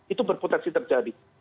itu berpotensi terjadi